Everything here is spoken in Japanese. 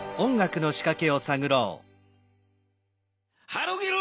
ハロゲロ。